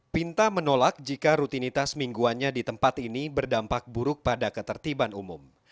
pinta menolak jika rutinitas mingguannya di tempat ini berdampak buruk pada ketertiban umum